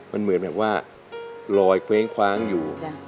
มันเหมือนแบบว่าลอยเคว้งคว้างอยู่